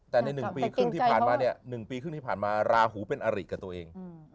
แต่ใน๑ปีครึ่งที่ผ่านมาเนี่ย๑ปีครึ่งที่ผ่านมาราหูเป็นอริกับตัวเอง